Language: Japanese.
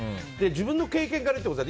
自分の経験から言ってもさ